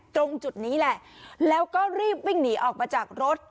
ตรงจุดนี้แหละแล้วก็รีบวิ่งหนีออกมาจากรถ